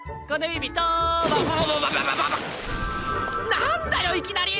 なんだよいきなり！